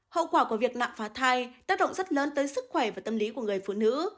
hậu quả của việc nặng phá thai tác động rất lớn tới sức khỏe và tâm lý của người phụ nữ